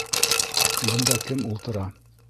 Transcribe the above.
Бында кем ултыра?